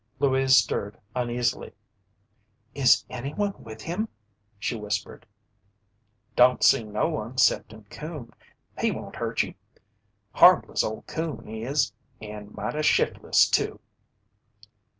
Louise stirred uneasily. "Is anyone with him?" she whispered. "Don't see no one 'cepting Coon. He won't hurt ye. Harmless, ole Coon is, an' mighty shiftless too."